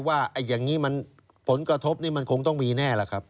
ว่าอย่างนี้มันผลกระทบนี่มันคงต้องมีแน่ล่ะครับ